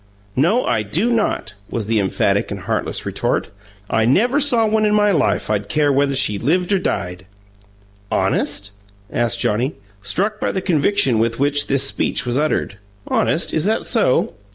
"No, I do not!" was the emphatic and heartless retort. "I never saw one in my life I'd care whether she lived or died!" "Honest?" asked Johnnie, struck by the conviction with which this speech was uttered. "Honest, is that so?"